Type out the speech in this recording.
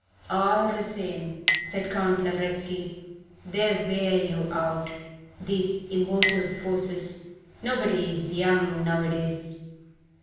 "All the same," said Count Lavretsky, "they wear you out, these emotive forces. Nobody is young nowadays.